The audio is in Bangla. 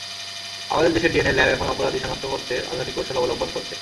আমাদের দেশের ডিএনএ ল্যাব এখন অপরাধী শনাক্ত করতে আধুনিক কৌশল অবলম্বন করছে।